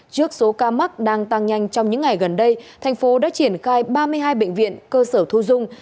trước số ca mắc đang tăng nhanh trong những ngày gần đây thành phố đã triển khai ba mươi hai bệnh viện cơ sở thu dung